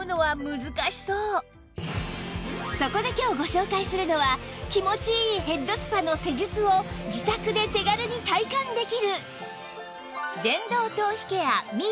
そこで今日ご紹介するのは気持ちいいヘッドスパの施術を自宅で手軽に体感できる